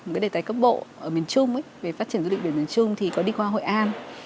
một cái đề tài cấp bộ ở miền trung về phát triển du lịch biển miền trung thì có đi qua hội an